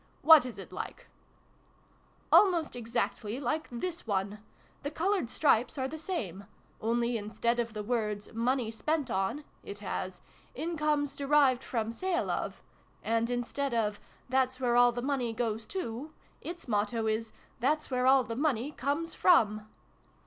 " What is it like ?"" Almost exactly like this one. The coloured stripes are the same. Only, instead of the words ' Money spent on,' it has ' Incomes derived from sale of ; and, instead of ' That's where all the money goes to,' its motto is ' Thafs where all the money comes from